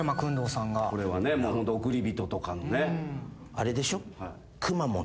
あれでしょ？